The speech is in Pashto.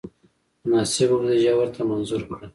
مناسبه بودجه ورته منظور کړه.